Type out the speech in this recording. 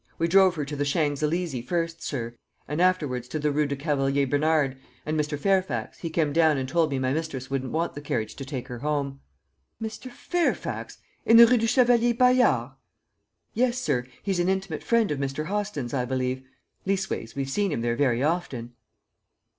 We drove her to the Shangs Elysy first, sir, and afterwards to the Rue du Cavalier Baynard; and Mr. Fairfax, he came down and told me my mistress wouldn't want the carriage to take her home." "Mr. Fairfax in the Rue du Chevalier Bayard!" "Yes, sir; he's an intimate friend of Mr. Hostin's, I believe. Leastways, we've seen him there very often."